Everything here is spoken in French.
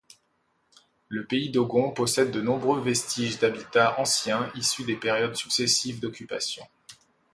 Le pays dogon possède de nombreux vestiges d’habitat anciens issus des périodes successives d’occupation.